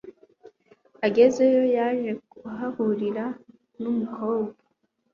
Agezeyo yaje kuhahurira n'umukobwa